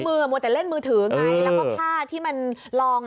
มือมัวแต่เล่นมือถือไงแล้วก็ผ้าที่มันลอง